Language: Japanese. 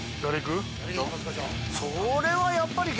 それはやっぱり。